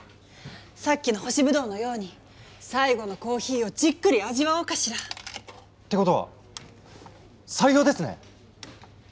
さっきの干しブドウのように最後のコーヒーをじっくり味わおうかしら。ってことは採用ですね？